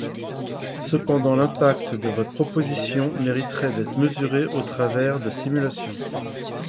Cependant l’impact de votre proposition mériterait d’être mesuré au travers de simulations.